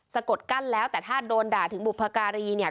กดกั้นแล้วแต่ถ้าโดนด่าถึงบุพการีเนี่ย